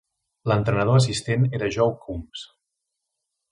L'entrenador assistent era Joe Coombs.